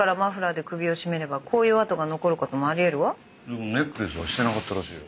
でもネックレスはしてなかったらしいよ。